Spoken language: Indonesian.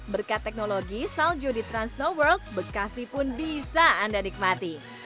berkat teknologi salju di transnoworld bekasi pun bisa anda nikmati